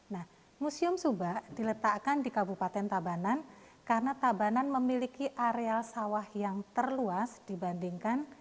nah museum subak diletakkan di kabupaten tabanan karena tabanan memiliki areal sawah yang terluas dibandingkan